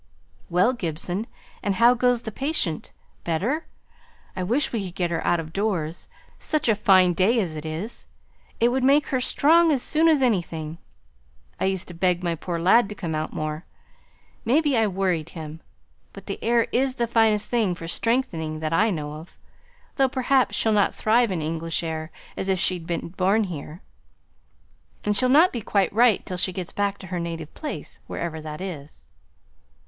"Well, Gibson, and how goes the patient? Better? I wish we could get her out of doors, such a fine day as it is. It would make her strong as soon as anything. I used to beg my poor lad to come out more. Maybe, I worried him; but the air is the finest thing for strengthening that I know of. Though, perhaps, she'll not thrive in English air as if she'd been born here; and she'll not be quite right till she gets back to her native place, wherever that is."